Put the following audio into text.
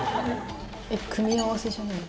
組み合わせじゃないの？